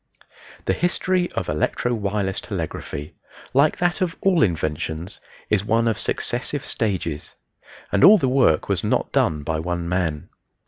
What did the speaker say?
The history of Electro Wireless Telegraphy, like that of all inventions, is one of successive stages, and all the work was not done by one man.